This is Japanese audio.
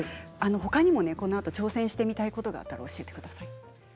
ほかにもこのあと挑戦してみたいことがあったら教えてください。